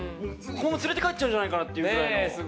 連れて帰っちゃうんじゃないかなってくらいの。